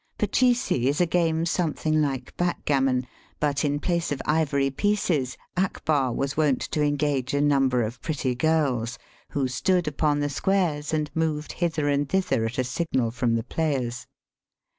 Pachisi is a game something like backgammon, but in place of ivory pieces Akbar was wont to engage a number of pretty girls, who stood upon the squares and moved hither and thither at a signal from the players.